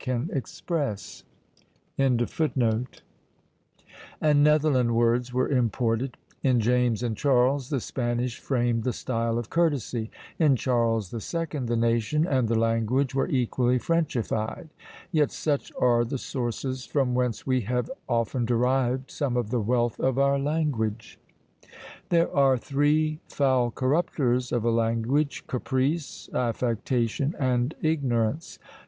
In Elizabeth's reign Italian phrases and Netherland words were imported; in James and Charles the Spanish framed the style of courtesy; in Charles the Second the nation and the language were equally Frenchified. Yet such are the sources from whence we have often derived some of the wealth of our language! There are three foul corruptors of a language: caprice, affectation, and ignorance!